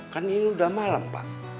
kan ini udah malam pak